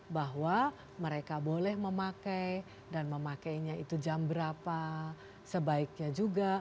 bahwa mereka boleh memakai dan memakainya itu jam berapa sebaiknya juga